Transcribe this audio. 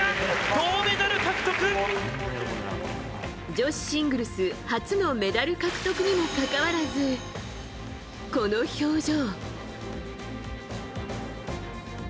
女子シングルス初のメダル獲得にもかかわらずこの表情。